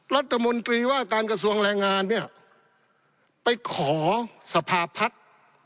รัฐมนตรีว่าการกระทรวงแรงงานเนี่ยไปขอสภาพัฒน์